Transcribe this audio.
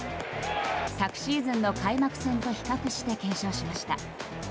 昨シーズンの開幕戦と比較して検証しました。